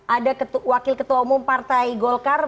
ada wakil ketua umum partai golkar